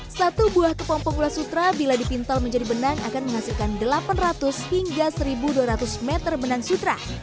satu buah kepompong ula sutra bila dipintal menjadi benang akan menghasilkan delapan ratus hingga satu dua ratus meter benang sutra